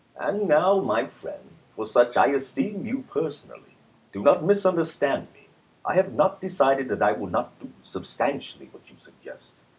. And now, my friend, — for such I esteem you person ally,— do not misunderstand me. I have not decided that I will not do substantially what you suggest.